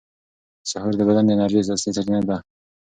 سحور د بدن د انرژۍ اصلي سرچینه ده.